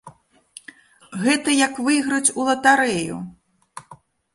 Гэта як выйграць у латарэю.